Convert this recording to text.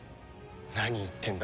何言ってんだ？